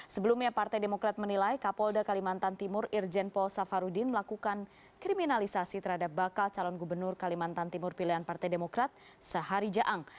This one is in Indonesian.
sebelumnya partai demokrat menilai kapolda kalimantan timur irjen paul safarudin melakukan kriminalisasi terhadap bakal calon gubernur kalimantan timur pilihan partai demokrat syahari jaang